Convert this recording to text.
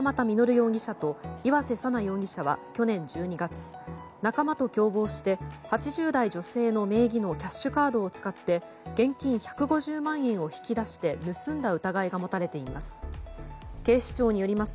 容疑者と岩瀬紗奈容疑者は去年１２月仲間と共謀して８０代女性の名義のキャッシュカードを使って現金１５０万円を引き出して盗んだ疑いが持たれています。